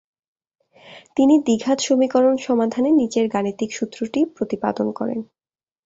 তিনি দ্বিঘাত সমীকরণ সমাধানে নিচের গাণিতিক সূত্রটি প্রতিপাদন করেনঃ